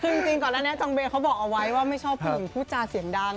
คือจริงก่อนอันนี้จองเวย์เขาบอกเอาไว้ว่าไม่ชอบผู้หญิงพูดจาเสียงดัง